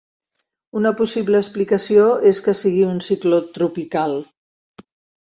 Una possible explicació és que sigui un cicló tropical.